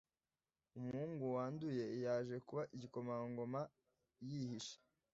umuhungu wanduye yaje kuba igikomangoma yihishe